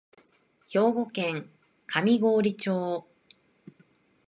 兵庫県上郡町